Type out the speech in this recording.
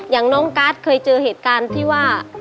อย่างน้องการ์ดเคยเจอเหตุการณ์ที่ว่า